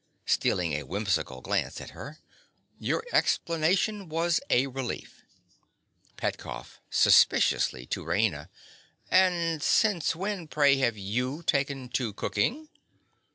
(Stealing a whimsical glance at her.) Your explanation was a relief. PETKOFF. (suspiciously, to Raina). And since when, pray, have you taken to cooking?